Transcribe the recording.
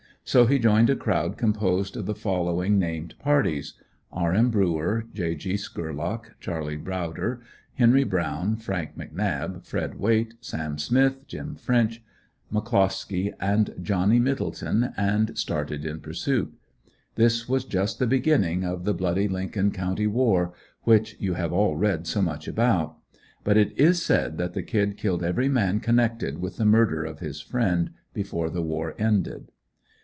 So he joined a crowd composed of the following named parties: R. M. Bruer, J. G. Skurlock, Charlie Bowder, Henry Brown, Frank McNab, Fred Wayt, Sam Smith, Jim French, McClosky and Johnny Middleton, and started in pursuit. This was just the beginning of the "bloody Lincoln County war" which you have all read so much about. But it is said that the "Kid" killed every man connected with the murder of his friend before the war ended.